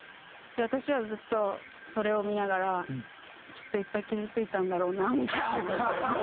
私はずっとそれを見ながらきっといっぱい傷ついたんだろうなみたいな。